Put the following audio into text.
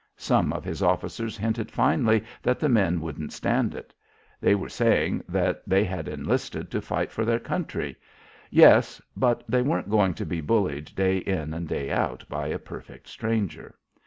Some of his officers hinted finally that the men wouldn't stand it. They were saying that they had enlisted to fight for their country yes, but they weren't going to be bullied day in and day out by a perfect stranger.